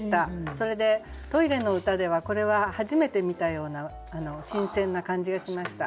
それでトイレの歌ではこれは初めて見たような新鮮な感じがしました。